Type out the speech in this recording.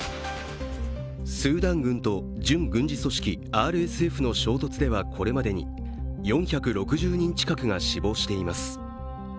スーダン軍と準軍事組織ＲＳＦの衝突ではこれまでに、４６０人近くが死亡しています。